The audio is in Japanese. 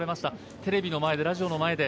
テレビの前で、ラジオの前で